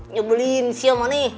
nyebelin siapa nih